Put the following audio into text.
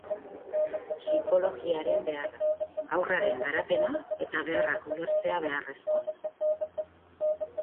Psikologiaren beharra: haurraren garapena eta beharrak ulertzea beharrezkoa da.